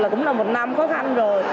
cũng là một năm khó khăn rồi